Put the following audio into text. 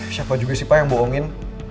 siapa juga sih pak yang bohongin